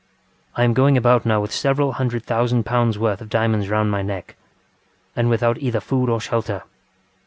I am going about now with several hundred thousand pounds worth of diamonds round my neck, and without either food or shelter.